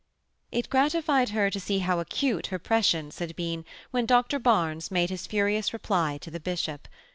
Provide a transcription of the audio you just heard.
It gratified her to see how acute her prescience had been when Dr Barnes made his furious reply to the bishop.